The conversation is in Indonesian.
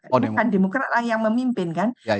bukan demokrat lah yang memimpin kan